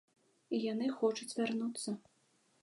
І яны хочуць вярнуцца.